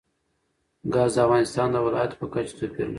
ګاز د افغانستان د ولایاتو په کچه توپیر لري.